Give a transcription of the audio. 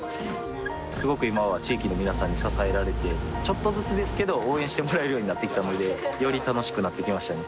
すごく今は地域の皆さんに支えられてちょっとずつですけど応援してもらえるようになってきたのでより楽しくなってきましたね